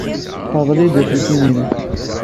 Terḍel-iyi-d aselkim-nnes.